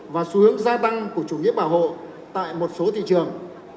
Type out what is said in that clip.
và xu hướng gia tăng của chủ nghĩa bảo hộ tại một số thị trường